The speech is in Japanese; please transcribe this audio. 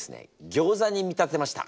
ギョーザに見立てました。